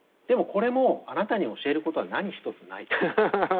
でもこれも「あなたに教えることは何一つない」。